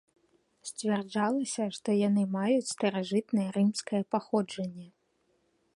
Сцвярджалася, што яны маюць старажытнае рымскае паходжанне.